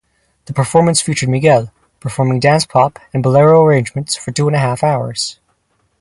The performances featured Miguel performing dance-pop and bolero arrangements for two-and-a-half hours.